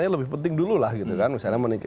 lebih penting dulu lah gitu kan misalnya